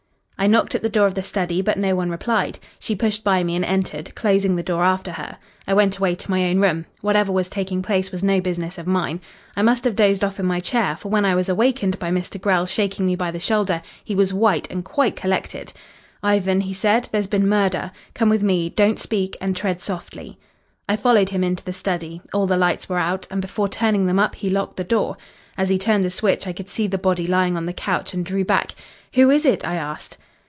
"I knocked at the door of the study, but no one replied. She pushed by me and entered, closing the door after her. I went away to my own room. Whatever was taking place was no business of mine. I must have dozed off in my chair, for when I was awakened by Mr. Grell shaking me by the shoulder, he was white and quite collected. "'Ivan,' he said, 'there's been murder. Come with me. Don't speak, and tread softly.' "I followed him into the study. All the lights were out, and before turning them up he locked the door. As he turned the switch I could see the body lying on the couch, and drew back. 'Who is it?' I asked.